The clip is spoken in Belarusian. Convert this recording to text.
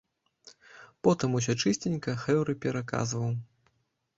Потым усё чысценька хэўры пераказваў.